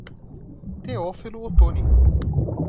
Teófilo Otoni